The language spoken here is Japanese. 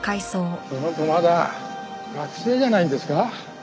その子まだ学生じゃないんですか？